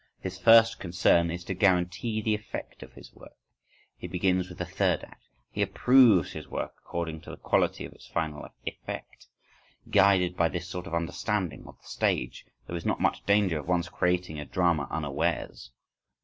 His first concern is to guarantee the effect of his work; he begins with the third act, he approves his work according to the quality of its final effect. Guided by this sort of understanding of the stage, there is not much danger of one's creating a drama unawares.